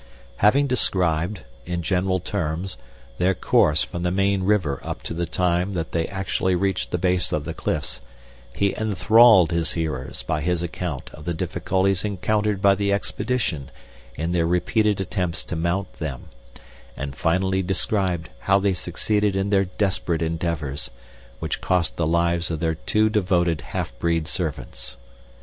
Having described, in general terms, their course from the main river up to the time that they actually reached the base of the cliffs, he enthralled his hearers by his account of the difficulties encountered by the expedition in their repeated attempts to mount them, and finally described how they succeeded in their desperate endeavors, which cost the lives of their two devoted half breed servants."